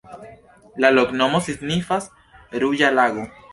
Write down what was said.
La loknomo signifas: ruĝa lago.